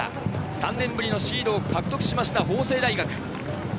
３年ぶりのシードを獲得しました、法政大学。